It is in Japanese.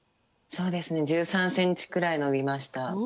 そうですね１３センチくらい伸びました。